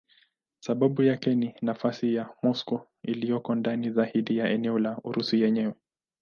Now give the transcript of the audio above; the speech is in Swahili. Sababu yake ni nafasi ya Moscow iliyoko ndani zaidi ya eneo la Urusi yenyewe.